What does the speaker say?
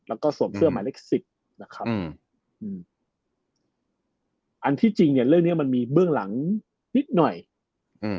แล้วก็สวมเสื้อหมายเลขสิบนะครับอืมอืมอันที่จริงเนี้ยเรื่องเนี้ยมันมีเบื้องหลังนิดหน่อยอืม